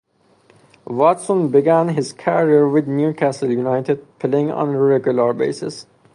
Watson began his career with Newcastle United, playing on a regular basis.